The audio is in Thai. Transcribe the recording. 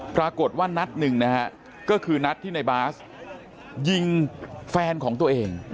ปรากฏว่านัดหนึ่งนะฮะก็คือนัดที่ในบาสยิงแฟนของตัวเอง